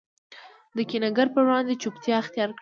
د کینه ګر په وړاندي چوپتیا اختیارکړئ!